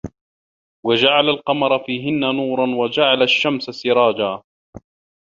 وَجَعَلَ القَمَرَ فيهِنَّ نورًا وَجَعَلَ الشَّمسَ سِراجًا